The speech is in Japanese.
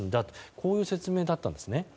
こういう説明だったんですね。